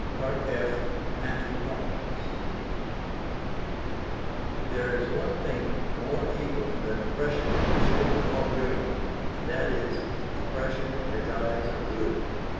F. MATTHEW HOPKINS There is one thing more evil than oppression in the shape of wrong doing, and that is oppression in the guise of good.